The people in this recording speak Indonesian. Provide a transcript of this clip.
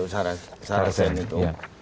sarah sahin itu